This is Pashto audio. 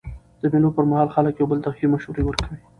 د مېلو پر مهال خلک یو بل ته ښه مشورې ورکوي.